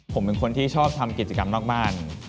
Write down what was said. ผมเป็นคนที่ชอบทำกิจกรรมนอกบ้าน